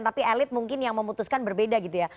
tapi elit mungkin yang memutuskan berbeda gitu ya